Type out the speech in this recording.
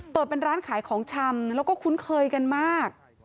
เปิดเป็นร้านขายของชำแล้วก็คุ้นเคยกันมาก